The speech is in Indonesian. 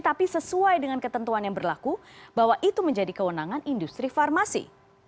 tapi sesuai dengan ketentuan yang berlaku bahwa itu menjadi kewenangan industri farmasi